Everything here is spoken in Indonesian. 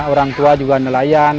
orang tua juga nelayan